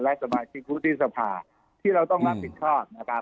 และสมาชิกวุฒิสภาที่เราต้องรับผิดชอบนะครับ